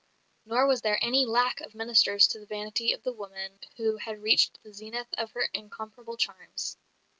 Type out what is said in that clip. Nor was there any lack of ministers to the vanity of the woman who had now reached the zenith of her incomparable charms.